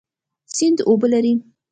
سیند اوبه لري